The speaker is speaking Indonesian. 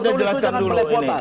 anda jelaskan dulu ini